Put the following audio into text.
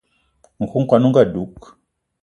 Nku kwan on ga dug